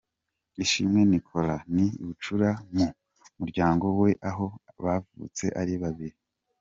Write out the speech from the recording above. Ishimwe Nicolas ni bucura mu muryango we aho bavutse ari babiri.